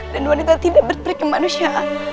dan wanita tidak berperiksa manusia